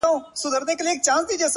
• د یوې ورځي لګښت خواست یې ترې وکړ,